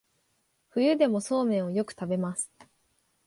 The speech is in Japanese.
冬でもそうめんをよく食べます